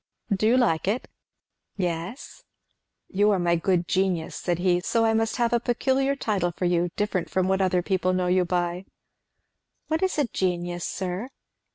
"Do you like it?" "Yes." "You are my good genius," said he, "so I must have a peculiar title for you, different from what other people know you by." "What is a genius, sir?"